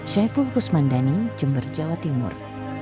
syaiful kusmandani jember jawa timur